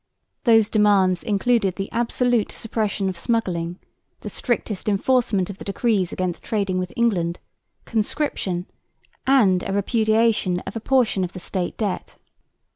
Those demands included the absolute suppression of smuggling, the strictest enforcement of the decrees against trading with England, conscription, and a repudiation of a portion of the State debt.